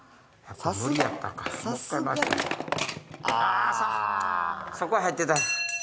ああそこ入ってた。